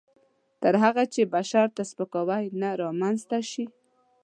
تر هغه چې بشر ته سپکاوی نه رامنځته شي.